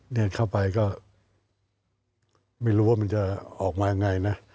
เข้าไปก็ไม่รู้ว่ามันจะออกมายังไงนะ